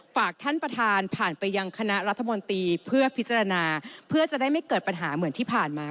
ฝากท่านประธานผ่านไปยังคณะรัฐมนตรีเพื่อพิจารณาเพื่อจะได้ไม่เกิดปัญหาเหมือนที่ผ่านมา